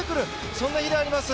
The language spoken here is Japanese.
そんな日であります。